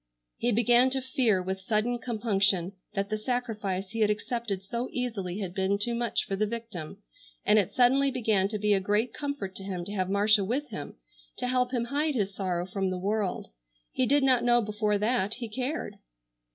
He began to fear with sudden compunction that the sacrifice he had accepted so easily had been too much for the victim, and it suddenly began to be a great comfort to him to have Marcia with him, to help him hide his sorrow from the world. He did not know before that he cared.